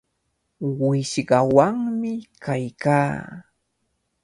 Wishqawanmi kaykaa.